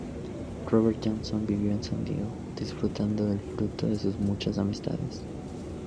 Robert Johnson vivió en San Diego, disfrutando el fruto de sus muchas amistades.